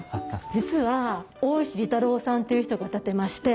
実は大石利太郎さんという人が建てまして。